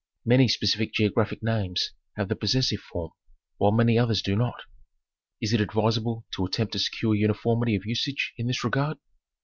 Many specific geographic names have the possessive form, while many others do not. Is it advisable to attempt to secure uniformity of usage in this regard?